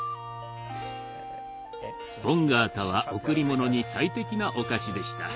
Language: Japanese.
スポンガータは贈り物に最適なお菓子でした。